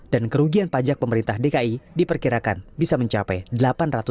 dan kerugian pajak pemerintah dki diperkirakan bisa mencapai delapan ratus miliar